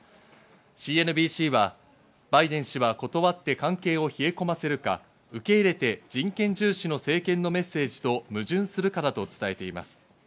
ＣＮＢＣはバイデン氏は断って関係を冷え込ませるか、受け入れて人権重視の政権のメッセージと矛盾するかだと伝えています。